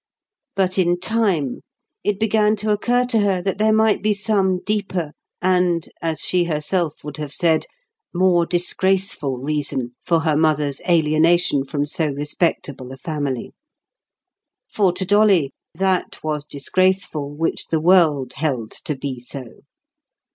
But in time it began to occur to her that there might be some deeper and, as she herself would have said, more disgraceful reason for her mother's alienation from so respectable a family. For, to Dolly, that was disgraceful which the world held to be so.